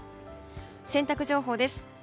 洗濯情報です。